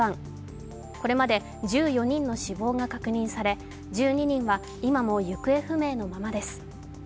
これまで１４人の死亡が確認され１２人は今も行方不明のままです。